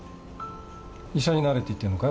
医者になれって言ってるのかい？